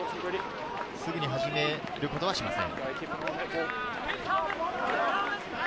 すぐに始めることはしません。